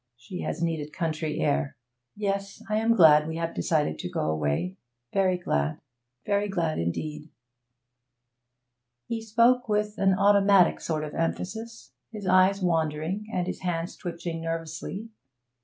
She has need of country air. Yes, I am glad we have decided to go away very glad very glad indeed!' He spoke with an automatic sort of emphasis, his eyes wandering, and his hands twitching nervously.